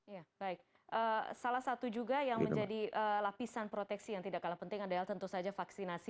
ya baik salah satu juga yang menjadi lapisan proteksi yang tidak kalah penting adalah tentu saja vaksinasi